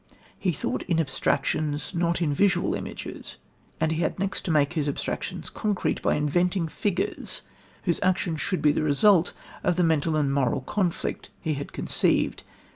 He thought in abstractions not in visual images, and he had next to make his abstractions concrete by inventing figures whose actions should be the result of the mental and moral conflict he had conceived.